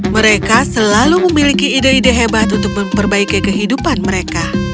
mereka selalu memiliki ide ide hebat untuk memperbaiki kehidupan mereka